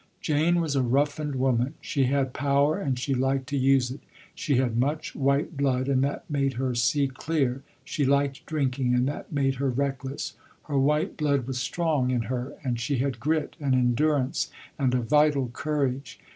Jane was a roughened woman. She had power and she liked to use it, she had much white blood and that made her see clear, she liked drinking and that made her reckless. Her white blood was strong in her and she had grit and endurance and a vital courage.